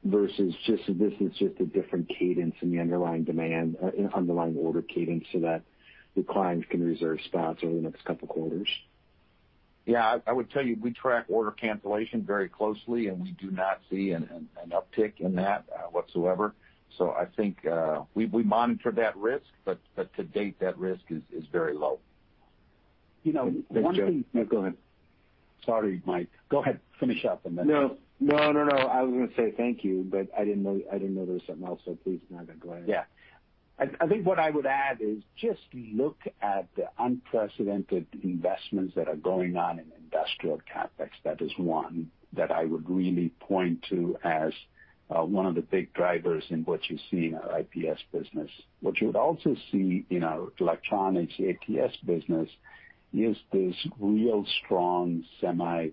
Speaker 9: versus this is just a different cadence in the underlying demand, underlying order cadence, so that the clients can reserve spots over the next couple of quarters?
Speaker 4: I would tell you, we track order cancellation very closely, and we do not see an uptick in that whatsoever. I think we monitor that risk, but to date, that risk is very low.
Speaker 9: Thanks, Joe.
Speaker 4: No, go ahead.
Speaker 3: Sorry, Mike. Go ahead. Finish up on that.
Speaker 9: No, I was going to say thank you, but I didn't know there was something else, so please, Naga, go ahead.
Speaker 3: I think what I would add is just look at the unprecedented investments that are going on in industrial CapEx. That is one that I would really point to as one of the big drivers in what you see in our IPS business. What you would also see in our electronics ATS business is this real strong semi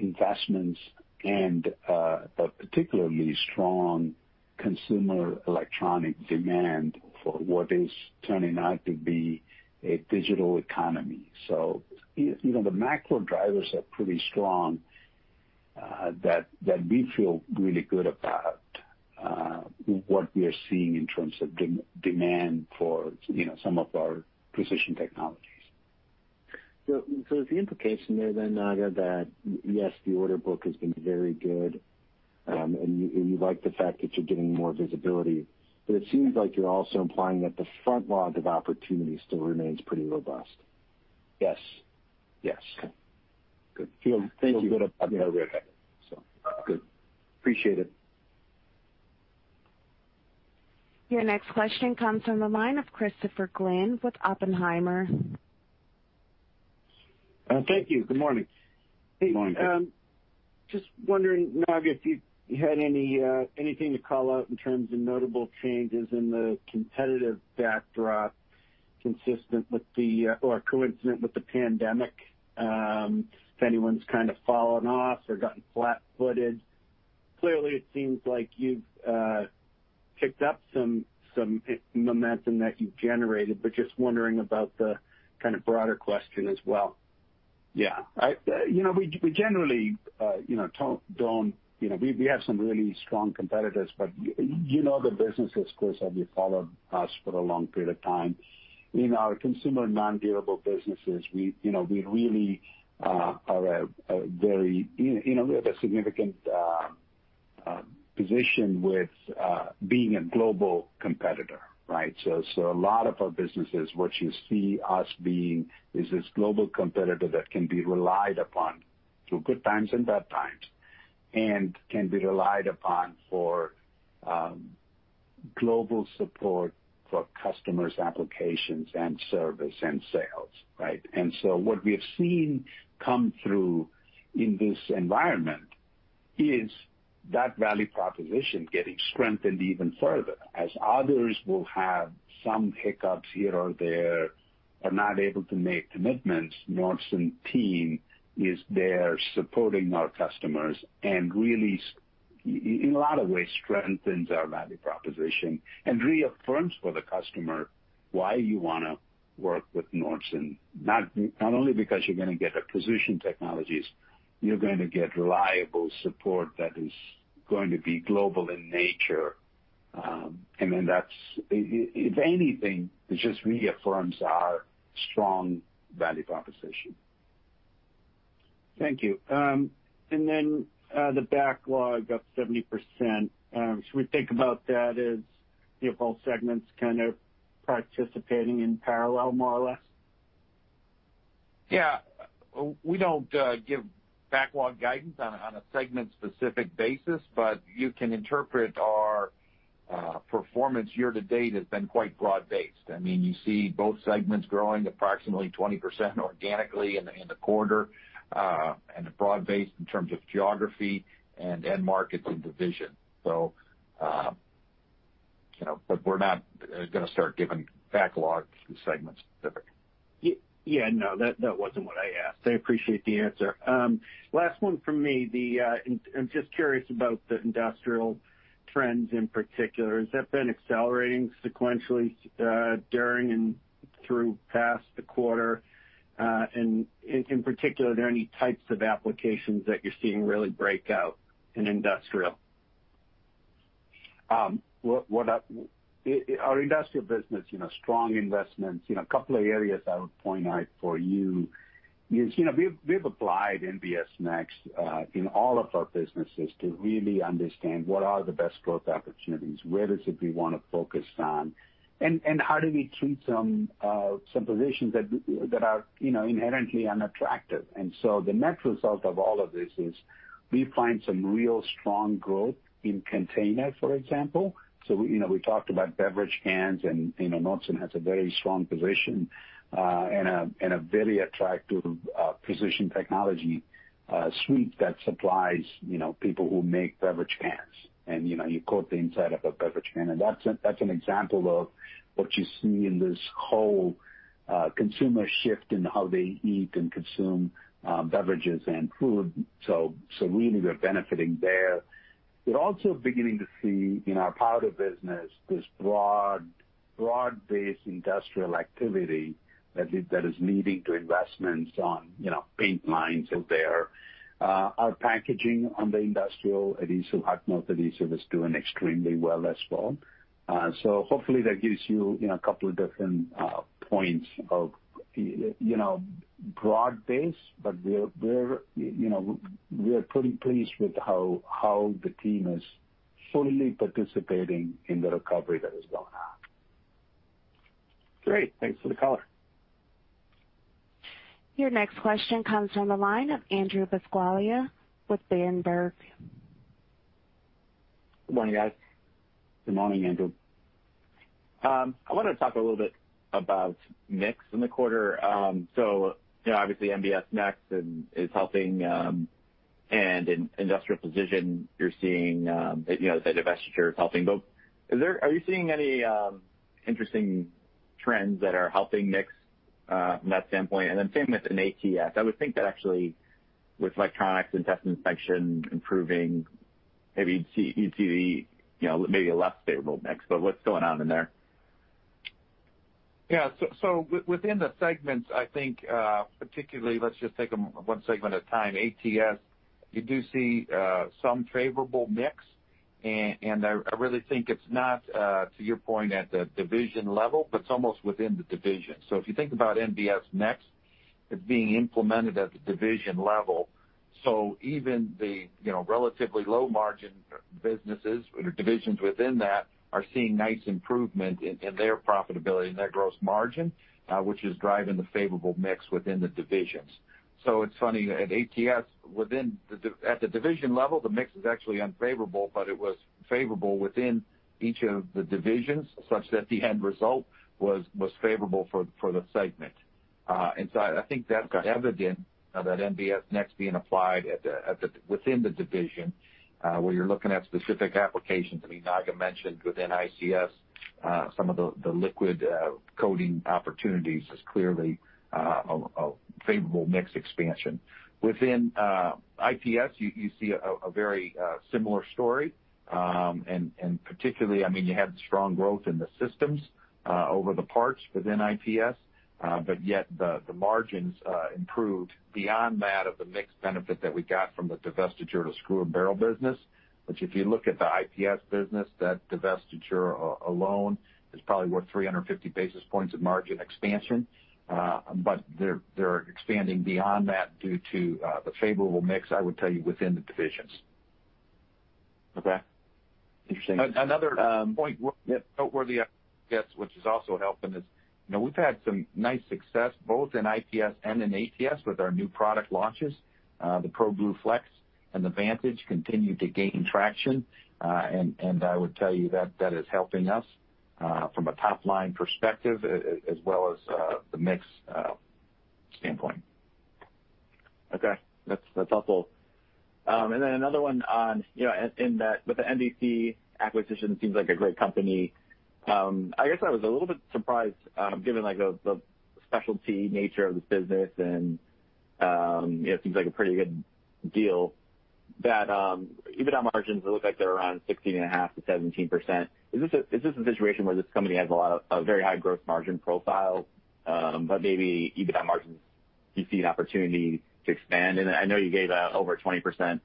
Speaker 3: investments and a particularly strong consumer electronic demand for what is turning out to be a digital economy. The macro drivers are pretty strong that we feel really good about what we are seeing in terms of demand for some of our precision technologies.
Speaker 9: Is the implication there then, Naga, that yes, the order book has been very good, and you like the fact that you're getting more visibility, but it seems like you're also implying that the front log of opportunity still remains pretty robust?
Speaker 3: Yes.
Speaker 9: Okay. Good. Thank you.
Speaker 3: Feel good about where we are.
Speaker 9: Okay. Good. Appreciate it.
Speaker 1: Your next question comes from the line of Christopher Glynn with Oppenheimer.
Speaker 10: Thank you. Good morning.
Speaker 4: Good morning.
Speaker 10: Just wondering, Naga, if you had anything to call out in terms of notable changes in the competitive backdrop consistent with the, or coincident with the pandemic. If anyone's kind of fallen off or gotten flat-footed. Clearly, it seems like you've picked up some momentum that you've generated, but just wondering about the kind of broader question as well.
Speaker 3: Yeah. We have some really strong competitors, but you know the business, of course, have you followed us for a long period of time. In our consumer non-durable businesses, we have a significant position with being a global competitor, right? A lot of our businesses, what you see us being is this global competitor that can be relied upon through good times and bad times, and can be relied upon for global support for customers' applications and service and sales, right? What we have seen come through in this environment is that value proposition getting strengthened even further. As others will have some hiccups here or there. Are not able to make commitments, Nordson team is there supporting our customers and really, in a lot of ways strengthens our value proposition and reaffirms for the customer why you want to work with Nordson. Not only because you're going to get a precision technologies, you're going to get reliable support that is going to be global in nature. If anything, it just reaffirms our strong value proposition.
Speaker 10: Thank you. The backlog up 70%, should we think about that as both segments kind of participating in parallel, more or less?
Speaker 4: We don't give backlog guidance on a segment-specific basis, but you can interpret our performance year-to-date has been quite broad-based. You see both segments growing approximately 20% organically in the quarter, and are broad-based in terms of geography and end markets and division. We're not going to start giving backlog segment-specific.
Speaker 10: Yeah, no, that wasn't what I asked. I appreciate the answer. Last one from me. I'm just curious about the industrial trends in particular. Has that been accelerating sequentially, during and through past the quarter? In particular, are there any types of applications that you're seeing really break out in industrial?
Speaker 3: Our industrial business, strong investments. A couple of areas I would point out for you is, we've applied NBS Next in all of our businesses to really understand what are the best growth opportunities, where is it we want to focus on, and how do we treat some positions that are inherently unattractive. The net result of all of this is we find some real strong growth in containers, for example. We talked about beverage cans, and Nordson has a very strong position, and a very attractive precision technology suite that supplies people who make beverage cans. You coat the inside of a beverage can, and that's an example of what you see in this whole consumer shift in how they eat and consume beverages and food. Really, we're benefiting there. We're also beginning to see in our powder business, this broad-based industrial activity that is leading to investments on paint lines out there. Our packaging on the industrial adhesive, hot melt adhesive, is doing extremely well as well. Hopefully that gives you a couple of different points of broad base. We are pretty pleased with how the team is fully participating in the recovery that is going on.
Speaker 10: Great. Thanks for the color.
Speaker 1: Your next question comes from the line of Andrew Buscaglia with Berenberg.
Speaker 11: Good morning, guys.
Speaker 3: Good morning, Andrew.
Speaker 11: I wanted to talk a little bit about mix in the quarter. Obviously NBS Next is helping, and in Industrial Precision you're seeing that divestiture is helping. Are you seeing any interesting trends that are helping mix from that standpoint? Same with in ATS. I would think that actually with electronics and test and inspection improving, maybe you'd see maybe a less favorable mix. What's going on in there?
Speaker 4: Yeah. Within the segments, I think, particularly let's just take one segment at a time. ATS, you do see some favorable mix, and I really think it's not, to your point, at the division level, but it's almost within the division. If you think about NBS Next, it's being implemented at the division level. Even the relatively low margin businesses or divisions within that are seeing nice improvement in their profitability and their gross margin, which is driving the favorable mix within the divisions. It's funny, at ATS, at the division level, the mix is actually unfavorable, but it was favorable within each of the divisions such that the end result was favorable for the segment. I think that's got evidence of that NBS Next being applied within the division, where you're looking at specific applications. I mean, Naga mentioned within ICS, some of the liquid coating opportunities is clearly a favorable mix expansion. Within IPS, you see a very similar story. Particularly, you had strong growth in the systems over the parts within IPS. Yet the margins improved beyond that of the mix benefit that we got from the divestiture to screw and barrel business, which if you look at the IPS business, that divestiture alone is probably worth 350 basis points of margin expansion. They're expanding beyond that due to the favorable mix, I would tell you, within the divisions.
Speaker 11: Okay. Interesting.
Speaker 4: Another point noteworthy, I guess, which is also helping is, we've had some nice success both in IPS and in ATS with our new product launches. The ProBlue Flex and the Vantage continue to gain traction. I would tell you that that is helping us from a top-line perspective as well as the mix standpoint.
Speaker 11: Okay. That's helpful. Another one on, with the NDC acquisition, seems like a great company. I guess I was a little bit surprised, given the specialty nature of the business, and it seems like a pretty good deal that EBITDA margins, it looks like they're around 16.5%-17%. Is this a situation where this company has a very high gross margin profile, but maybe EBITDA margins, you see an opportunity to expand? I know you gave out over 20%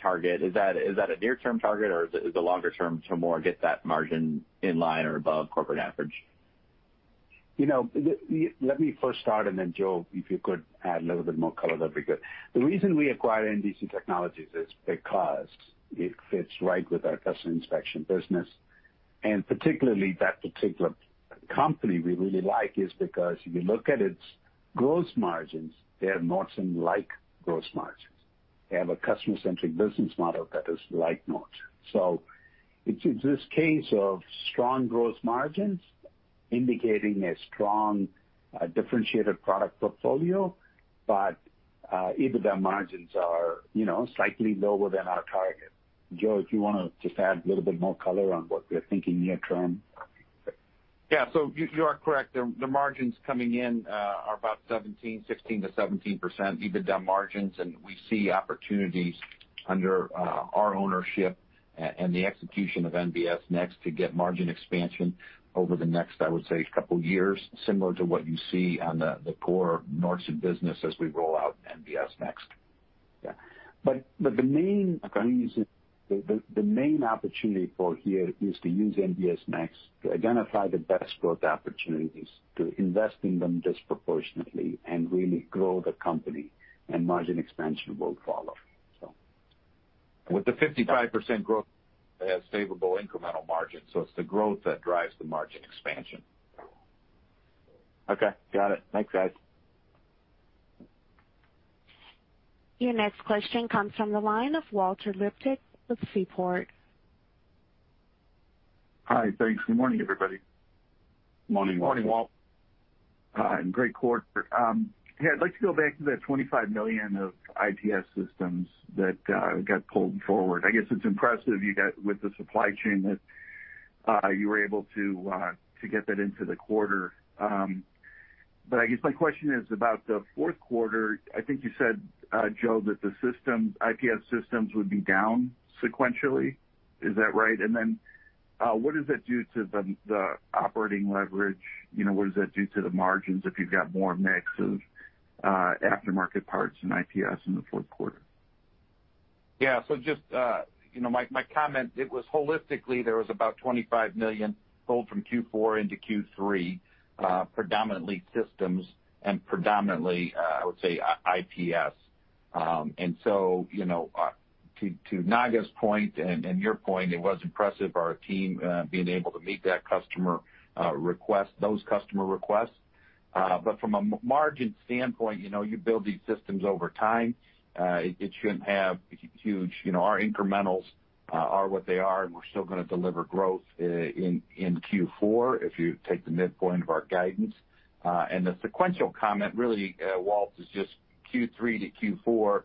Speaker 11: target. Is that a near-term target or is it a longer term to more get that margin in line or above corporate average?
Speaker 3: Let me first start, and then Joe, if you could add a little bit more color, that'd be good. The reason we acquired NDC Technologies is because it fits right with our custom inspection business. Particularly that particular company we really like is because if you look at its gross margins, they are Nordson-like gross margins. They have a customer-centric business model that is like Nordson. It's this case of strong gross margins indicating a strong differentiated product portfolio. EBITDA margins are slightly lower than our target. Joe, if you want to just add a little bit more color on what we're thinking near term.
Speaker 4: You are correct. The margins coming in are about 16%-17% EBITDA margins, and we see opportunities under our ownership and the execution of NBS Next to get margin expansion over the next, I would say, couple years, similar to what you see on the core Nordson business as we roll out NBS Next.
Speaker 3: Yeah. The main opportunity for here is to use NBS Next to identify the best growth opportunities, to invest in them disproportionately and really grow the company, and margin expansion will follow. So.
Speaker 4: With the 55% growth has favorable incremental margins. It's the growth that drives the margin expansion.
Speaker 11: Okay. Got it. Thanks, guys.
Speaker 1: Your next question comes from the line of Walter Liptak of Seaport.
Speaker 12: Hi. Thanks. Good morning, everybody.
Speaker 3: Morning, Walt.
Speaker 12: Great quarter. Hey, I'd like to go back to that $25 million of IPS systems that got pulled forward. I guess it's impressive you got with the supply chain that you were able to get that into the quarter. I guess my question is about the fourth quarter. I think you said, Joe, that the IPS systems would be down sequentially. Is that right? What does that do to the operating leverage? What does that do to the margins if you've got more mix of aftermarket parts than IPS in the fourth quarter?
Speaker 4: My comment, it was holistically, there was about $25 million pulled from Q4 into Q3, predominantly systems and predominantly, I would say, IPS. To Naga's point and your point, it was impressive our team being able to meet those customer requests. From a margin standpoint, you build these systems over time. Our incrementals are what they are, we're still going to deliver growth in Q4 if you take the midpoint of our guidance. The sequential comment really, Walt, is just Q3 to Q4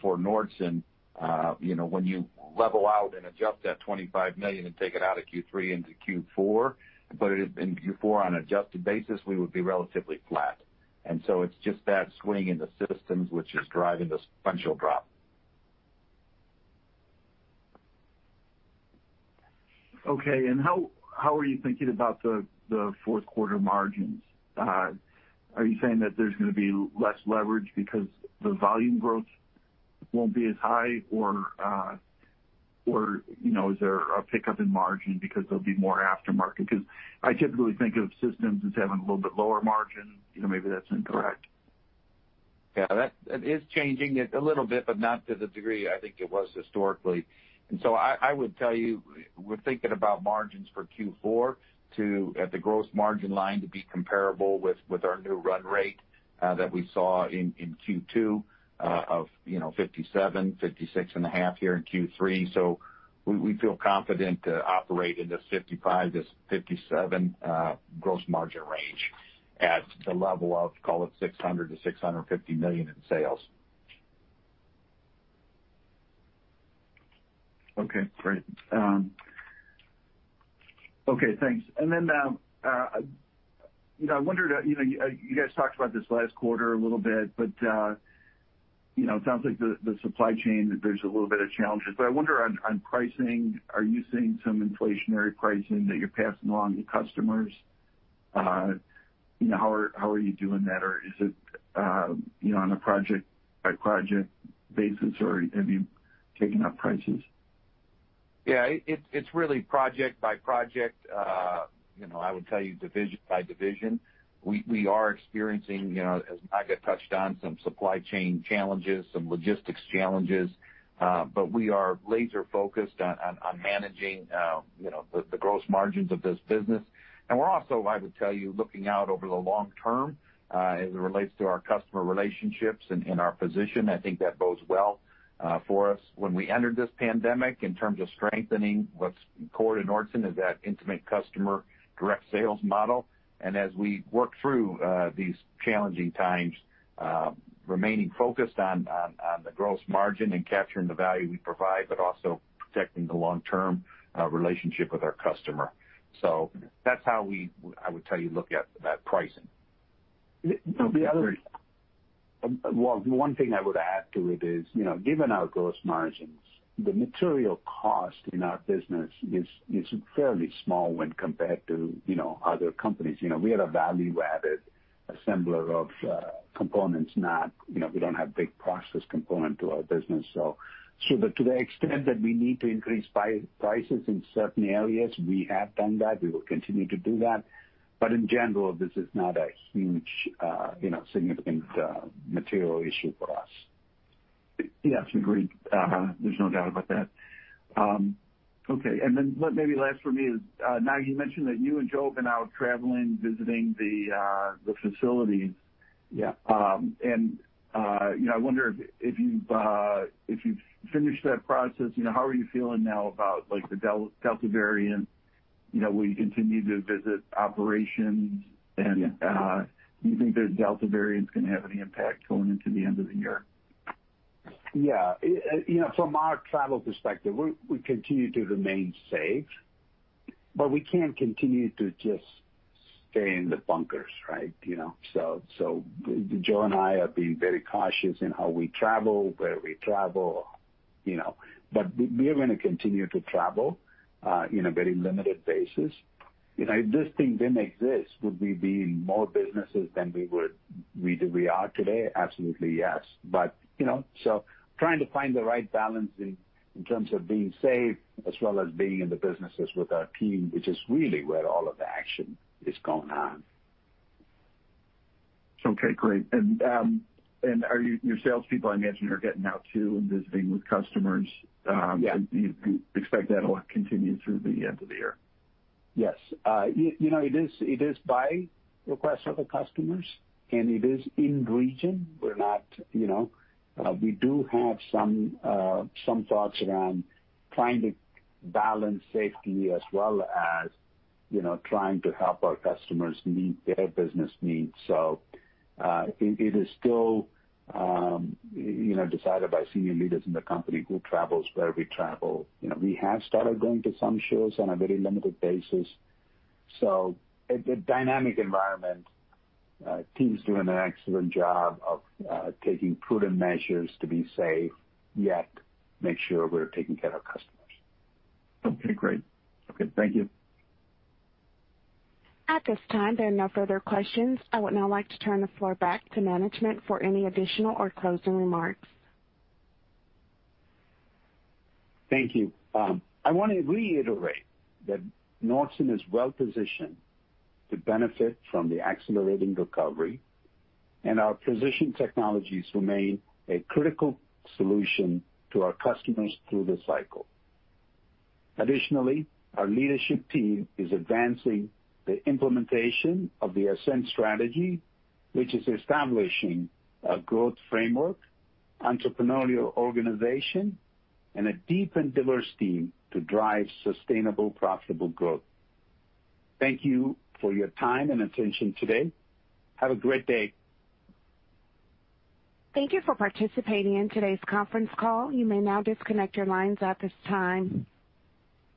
Speaker 4: for Nordson. When you level out and adjust that $25 million and take it out of Q3 into Q4, put it in Q4 on an adjusted basis, we would be relatively flat. It's just that swing in the systems which is driving the sequential drop.
Speaker 12: Okay. How are you thinking about the fourth quarter margins? Are you saying that there's going to be less leverage because the volume growth won't be as high? Or is there a pickup in margin because there'll be more aftermarket? Because I typically think of systems as having a little bit lower margin. Maybe that's incorrect.
Speaker 4: Yeah, that is changing it a little bit, but not to the degree I think it was historically. I would tell you, we're thinking about margins for Q4 at the gross margin line to be comparable with our new run rate that we saw in Q2 of 57%, 56.5% here in Q3. We feel confident to operate in this 55%-57% gross margin range at the level of, call it $600 million-$650 million in sales.
Speaker 12: Okay, great. Okay, thanks. I wondered, you guys talked about this last quarter a little bit, but it sounds like the supply chain, there's a little bit of challenges. I wonder on pricing, are you seeing some inflationary pricing that you're passing along to customers? How are you doing that? Is it on a project-by-project basis, or have you taken up prices?
Speaker 4: Yeah. It's really project by project. I would tell you division by division. We are experiencing, as Naga touched on, some supply chain challenges, some logistics challenges. We are laser focused on managing the gross margins of this business. We're also, I would tell you, looking out over the long term as it relates to our customer relationships and our position. I think that bodes well for us when we entered this pandemic in terms of strengthening what's core to Nordson is that intimate customer direct sales model. As we work through these challenging times, remaining focused on the gross margin and capturing the value we provide, but also protecting the long-term relationship with our customer. That's how I would tell you look at that pricing.
Speaker 3: Well, the one thing I would add to it is, given our gross margins, the material cost in our business is fairly small when compared to other companies. We are a value-added assembler of components. We don't have big process component to our business. To the extent that we need to increase prices in certain areas, we have done that. We will continue to do that. In general, this is not a huge, significant material issue for us.
Speaker 12: Yes, agreed. There's no doubt about that. Okay, maybe last for me is, Naga, you mentioned that you and Joe have been out traveling, visiting the facilities.
Speaker 3: Yeah.
Speaker 12: I wonder if you've finished that process, how are you feeling now about the Delta variant? Will you continue to visit operations?
Speaker 3: Yeah.
Speaker 12: Do you think the Delta variant is going to have any impact going into the end of the year?
Speaker 3: From our travel perspective, we continue to remain safe, we can't continue to just stay in the bunkers, right? Joe and I have been very cautious in how we travel, where we travel, but we are going to continue to travel in a very limited basis. If this thing didn't exist, would we be in more businesses than we are today? Absolutely, yes. Trying to find the right balance in terms of being safe, as well as being in the businesses with our team, which is really where all of the action is going on.
Speaker 12: Okay, great. Your salespeople, I imagine, are getting out too and visiting with customers.
Speaker 3: Yeah.
Speaker 12: You expect that'll continue through the end of the year?
Speaker 3: Yes. It is by request of the customers. It is in region. We do have some thoughts around trying to balance safety as well as trying to help our customers meet their business needs. It is still decided by senior leaders in the company who travels, where we travel. We have started going to some shows on a very limited basis. A dynamic environment. Team's doing an excellent job of taking prudent measures to be safe, yet make sure we're taking care of our customers.
Speaker 12: Okay, great. Okay, thank you.
Speaker 1: At this time, there are no further questions. I would now like to turn the floor back to management for any additional or closing remarks.
Speaker 3: Thank you. I want to reiterate that Nordson is well-positioned to benefit from the accelerating recovery, and our precision technologies remain a critical solution to our customers through this cycle. Additionally, our leadership team is advancing the implementation of the ASCEND strategy, which is establishing a growth framework, entrepreneurial organization, and a deep and diverse team to drive sustainable, profitable growth. Thank you for your time and attention today. Have a great day.
Speaker 1: Thank you for participating in today's conference call. You may now disconnect your lines at this time.